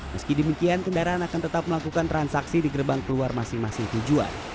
meski demikian kendaraan akan tetap melakukan transaksi di gerbang keluar masing masing tujuan